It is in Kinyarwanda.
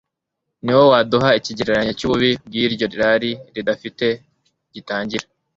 ni wo waduha ikigereranyo cy'ububi bw'iryo rari ridafite gitangira